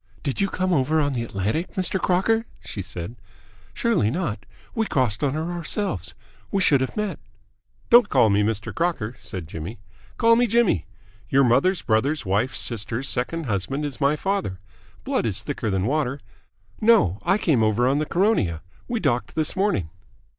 "Did you come over on the Atlantic, Mr. Crocker?" she said. "Surely not? We crossed on her ourselves. We should have met." "Don't call me Mr. Crocker," said Jimmy. "Call me Jimmy. Your mother's brother's wife's sister's second husband is my father. Blood is thicker than water. No, I came over on the Caronia. We docked this morning."